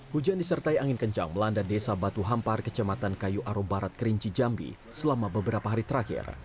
hujan disertai angin kencang melanda desa batu hampar kecamatan kayu aro barat kerinci jambi selama beberapa hari terakhir